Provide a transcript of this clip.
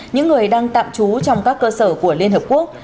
những người đang tạm trú trong các cơ sở của liên hợp quốc